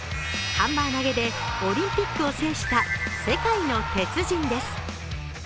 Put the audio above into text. ハンマー投げでオリンピックを制した世界の鉄人です。